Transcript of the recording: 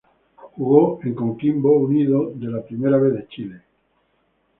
Jugó en Coquimbo Unido de la Primera B de Chile.